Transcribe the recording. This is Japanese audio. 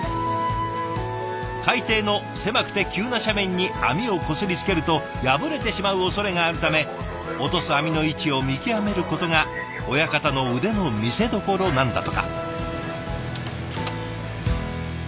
海底の狭くて急な斜面に網をこすりつけると破れてしまうおそれがあるため落とす網の位置を見極めることが親方の腕の見せどころなんだとか。